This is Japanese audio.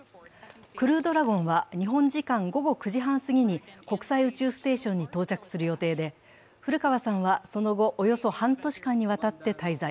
「クルードラゴン」は日本時間午後９時半過ぎに国際宇宙ステーションに到着する予定で、古川さんはその後、およそ半年間にわたって滞在。